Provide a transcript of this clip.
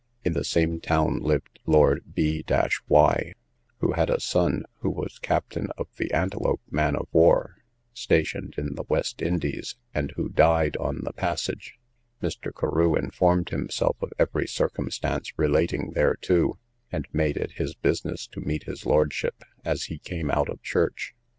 In the same town lived Lord B y, who had a son, who was captain of the Antelope man of war, stationed in the West Indies, and who died on the passage; Mr. Carew informed himself of every circumstance relating thereto, and made it his business to meet his lordship as he came out of church.